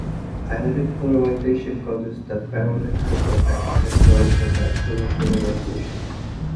Ionic polarization causes the ferroelectric effect as well as dipolar polarization.